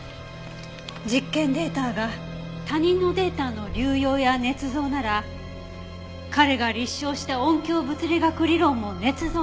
「実験データが他人のデータの流用や捏造なら彼が立証した音響物理学理論も捏造となり」